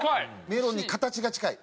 メロンに形が近い。